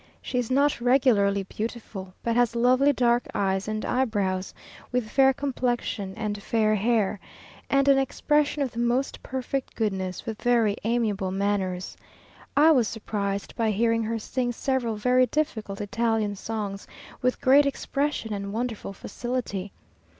She is not regularly beautiful, but has lovely dark eyes and eyebrows, with fair complexion and fair hair, and an expression of the most perfect goodness, with very amiable manners. I was surprised by hearing her sing several very difficult Italian songs with great expression and wonderful facility.